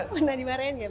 pernah dimarahin nggak pak